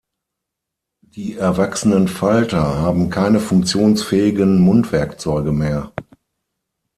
Die erwachsenen Falter haben keine funktionsfähigen Mundwerkzeuge mehr.